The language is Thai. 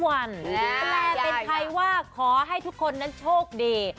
แปลเป็นใครว่าขอให้ทุกคนนั้นโชคดี